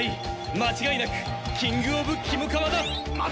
間違いなくキングオブキモカワだ。